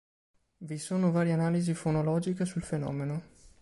Vi sono varie analisi fonologiche sul fenomeno.